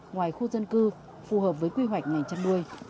ngoài khu dân cư phù hợp với quy hoạch ngành chăn nuôi